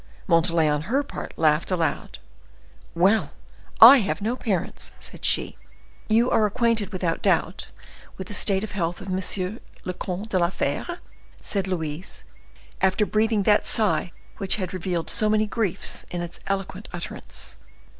Montalais, on her part, laughed aloud. "Well, I have no parents!" said she. "You are acquainted, without doubt, with the state of health of M. le Comte de la Fere?" said Louise, after breathing that sigh which had revealed so many griefs in its eloquent utterance.